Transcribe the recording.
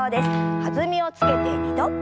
弾みをつけて２度。